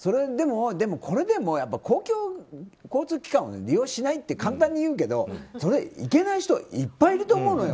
これでも公共交通機関を利用しないって簡単に言うけど、行けない人いっぱいいると思うのよ。